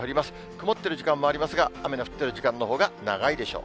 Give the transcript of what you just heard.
曇っている時間もありますが、雨の降ってる時間のほうが長いでしょう。